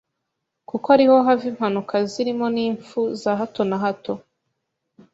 kuko ari ho hava impanuka zirimo n’imfu za hato na hato,